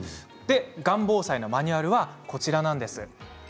がん防災のマニュアルがこちらです。